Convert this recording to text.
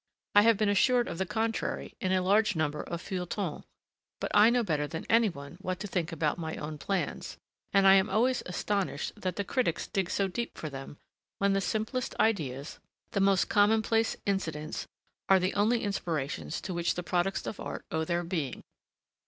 I have been assured of the contrary in a large number of feuilletons, but I know better than any one what to think about my own plans, and I am always astonished that the critics dig so deep for them, when the simplest ideas, the most commonplace incidents, are the only inspirations to which the products of art owe their being.